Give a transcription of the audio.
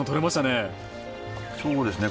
そうですね